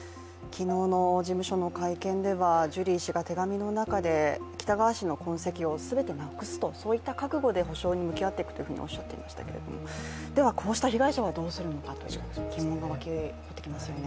昨日の事務所の会見ではジュリー氏が手紙の中で、喜多川氏の痕跡をすべてなくすと、そういった覚悟で補償に向き合っていくと話していましたが、こうした被害者はどうするのかという疑問が湧いてきますよね。